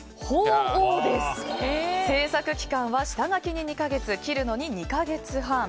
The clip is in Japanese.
制作期間は下書きに２か月切るのに２か月半。